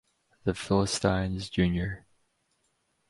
The Philistines Jr.